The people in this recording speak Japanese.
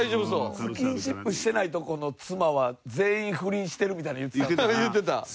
スキンシップしてないとこの妻は全員不倫してるみたいな言ってたな。